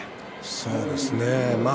そうですね。